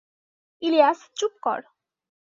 ইলিয়াস, চুপ কর।